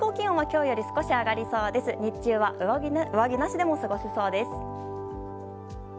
日中は上着なしでも過ごせそうです。